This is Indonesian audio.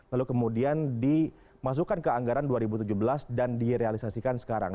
lalu kemudian dimasukkan ke anggaran dua ribu tujuh belas dan direalisasikan sekarang